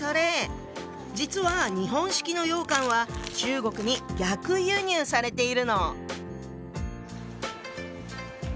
実は日本式の羊羹は中国に逆輸入されているの。